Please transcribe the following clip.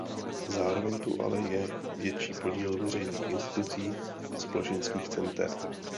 Zároveň tu ale je větší podíl veřejných institucí a společenských center.